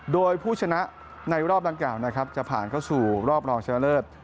โดยผู้ชนะในรอบดังเก่าจะผ่านเข้าสู่รอบรองชะเลิศ